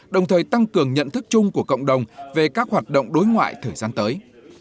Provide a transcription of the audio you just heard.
đồng thời tăng cường nhận thức chung của cộng đồng về các hoạt động đối ngoại thời gian tới